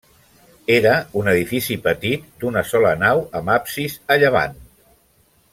Era un edifici petit, d'una sola nau amb absis a llevant.